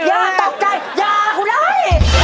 อย่าตกใจอย่าคุณไอ